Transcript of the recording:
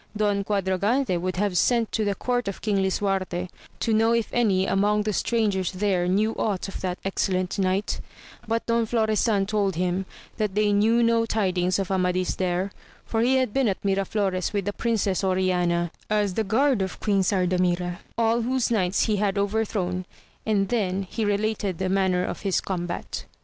Don Quadragante would have sent to the court of King Lisuarte, to know if any among the strangers there, knew aught of that excellent knight, but Don Florestan told him, that they knew no tidings of Amadis there, for he had been at Miraflores with the Princess Oriana, as the guard of Queen Sardamira, all whose knights he had overthrown and then he re lated the manner of his combat.